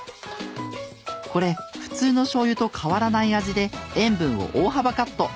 これ普通のしょうゆと変わらない味で塩分を大幅カット。